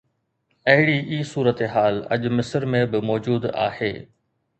اهڙي ئي صورتحال اڄ مصر ۾ به موجود آهي.